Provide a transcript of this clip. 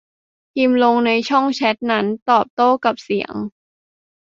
พิมพ์ลงในช่องแชตนั้น โต้ตอบกับเสียง